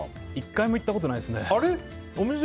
１回も行ったことないですね。